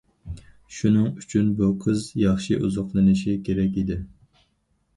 شۇنىڭ ئۈچۈن بۇ قىز ياخشى ئوزۇقلىنىشى كېرەك ئىدى.